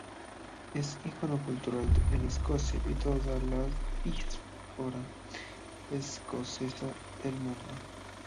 Es un icono cultural en Escocia y en toda la diáspora escocesa del mundo.